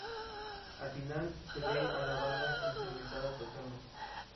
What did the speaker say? Al final, se ve a la banda ensangrentada tocando.